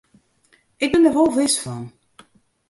Ik bin der wol wis fan.